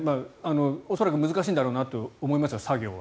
恐らく難しいんだろうなと思いますが、作業は。